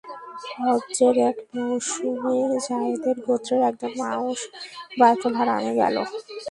হজ্জের এক মৌসুমে যায়েদের গোত্রের একদল মানুষ বাইতুল হারামে এল।